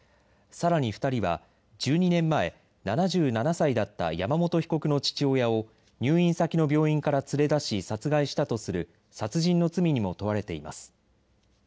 さらに２人は１２年前、７７歳だった山本被告の父親を入院先の病院から連れ出し殺害したとする殺人の罪にも問われています。